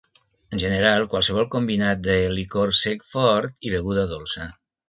En general, qualsevol combinat de licor sec fort i beguda dolça.